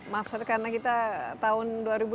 masa karena kita tahun